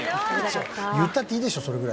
言ったっていいでしょそれぐらい。